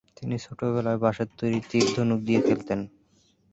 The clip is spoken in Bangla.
তিনি ছোটবেলায় বাঁশের তৈরি তীর-ধনুক দিয়ে খেলতেন।